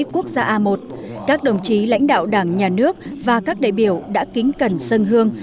quốc gia a một các đồng chí lãnh đạo đảng nhà nước và các đại biểu đã kính cẩn sân hương